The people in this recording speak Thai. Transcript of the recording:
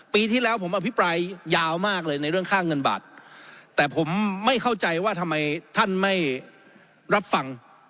ปีที่แล้วผมอภิปรายยาวมากเลยในเรื่องค่าเงินบาทแต่ผมไม่เข้าใจว่าทำไมท่านไม่รับฟัง